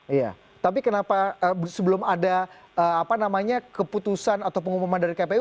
iya tapi kenapa sebelum ada keputusan atau pengumuman dari kpu